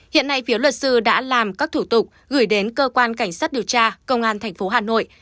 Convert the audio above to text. hiện nay phiếu luật sư đã làm các thủ tục gửi đến cơ quan cảnh sát điều tra công an thành phố hà nội